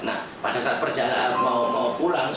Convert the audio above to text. nah pada saat perjalanan mau pulang